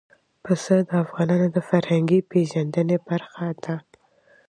پسه د افغانانو د فرهنګي پیژندنې برخه ده.